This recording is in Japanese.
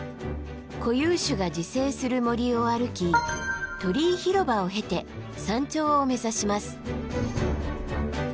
固有種が自生する森を歩き鳥居広場を経て山頂を目指します。